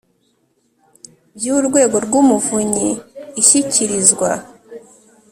by Urwego rw Umuvunyi ishyikirizwa